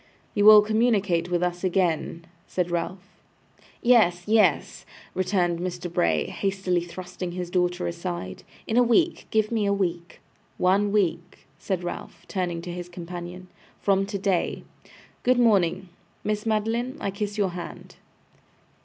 'You will communicate with us again?' said Ralph. 'Yes, yes,' returned Mr. Bray, hastily thrusting his daughter aside. 'In a week. Give me a week.' 'One week,' said Ralph, turning to his companion, 'from today. Good morning. Miss Madeline, I kiss your hand.